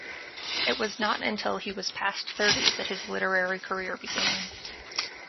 It was not until he was past thirty that his literary career began.